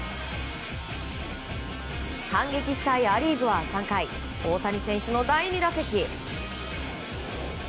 反撃したいア・リーグは３回大谷選手の第２打席。